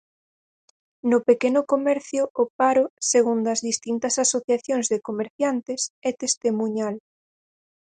No pequeno comercio o paro, segundo as distintas asociacións de comerciantes, é testemuñal.